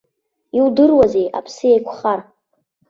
Иудыруазеи, аԥсы еиқәхар.